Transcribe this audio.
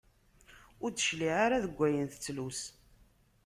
Ur d-tecliε ara deg ayen tettlus.